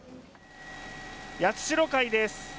八代海です。